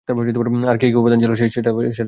আর কী কী উপাদান ছিল কেক?